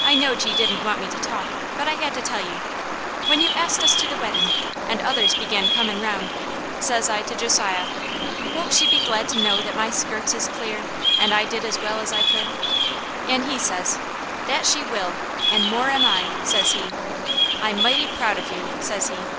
I knowed ye didn't want me to talk, but I had to tell you! When you ast us to the weddin', and others began comin' round, says I to Josiah, 'Won't she be glad to know that my skirts is clear, an' I did as well as I could?' An' he says, 'That she will! An' more am I,' says he. 'I mighty proud of you,' says he.